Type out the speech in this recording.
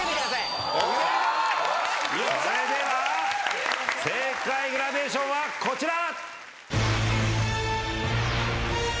それでは正解グラデーションはこちら！